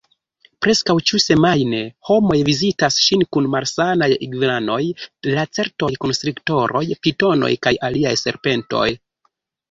Preskaŭ ĉiusemajne homoj vizitas ŝin kun malsanaj igvanoj, lacertoj, konstriktoroj, pitonoj kaj aliaj serpentoj.